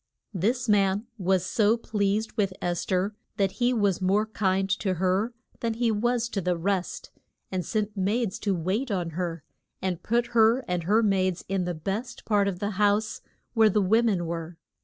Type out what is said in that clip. This man was so pleased with Es ther that he was more kind to her than he was to the rest, and sent maids to wait on her, and put her and her maids in the best part of the house where the wo men were.